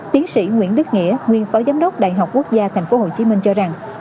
tiến sĩ nguyễn đức nghĩa nguyên phó giám đốc đại học quốc gia tp hcm cho rằng